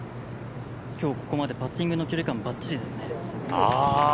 きょうここまでパッティングの距離感ばっちりですね。